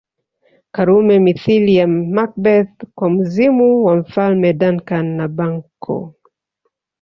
Karume mithili ya Macbeth kwa mzimu wa Mfalme Duncan na Banquo